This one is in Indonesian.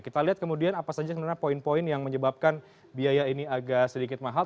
kita lihat kemudian apa saja sebenarnya poin poin yang menyebabkan biaya ini agak sedikit mahal